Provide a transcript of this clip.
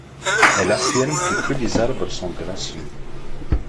Elle affirme que tous les arbres sont gracieux.